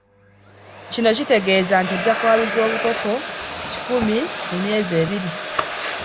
Kino kitegeeza nti ojja kwaluza obukoko kikumi mu myezi ebiri.